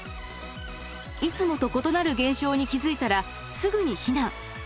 いつもと異なる現象に気付いたらすぐに避難。